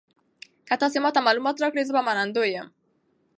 که تاسي ما ته معلومات راکړئ زه به منندوی یم.